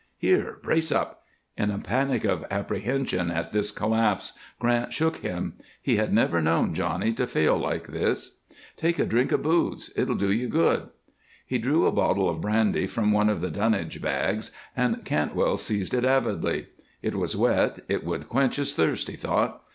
"Here! Brace up!" In a panic of apprehension at this collapse Grant shook him; he had never known Johnny to fail like this. "Take a drink of booze; it'll do you good." He drew a bottle of brandy from one of the dunnage bags and Cantwell seized it avidly. It was wet; it would quench his thirst, he thought.